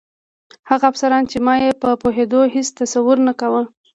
هغه افسران چې ما یې د پوهېدو هېڅ تصور نه کاوه.